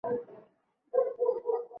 Mehrning me`yori bo`lishini anglab etdim